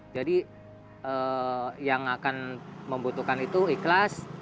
jadi yang akan membutuhkan itu ikhlas